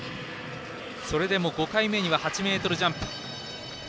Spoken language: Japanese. それでも５回目には８ｍジャンプ。